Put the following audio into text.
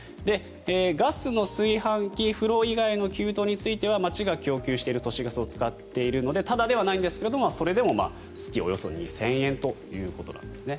ガスの炊飯器、風呂以外の給湯については町が供給している都市ガスを使っているのでタダではないんですが月２０００円ということなんですね。